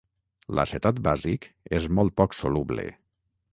L'acetat bàsic és molt poc soluble.